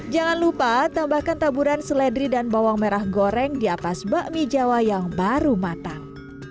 jangan lupa tambahkan taburan seledri dan bawang merah goreng di atas bakmi jawa yang baru matang